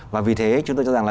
và vì thế chúng tôi cho rằng là